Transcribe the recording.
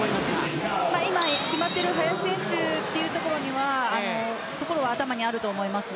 今、決まっている林選手というところには頭にあると思います。